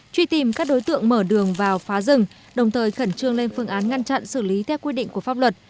truy tìm các đối tượng mở đường vào phá rừng đồng thời khẩn trương lên phương án ngăn chặn xử lý theo quy định của pháp luật